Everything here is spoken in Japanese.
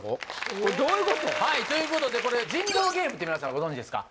これどういうことやねん？ということで人狼ゲームって皆さんご存じですか？